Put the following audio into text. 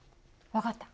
分かった。